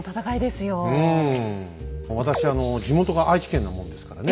私あの地元が愛知県なもんですからね